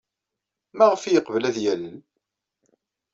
Maɣef ay yeqbel ad yalel?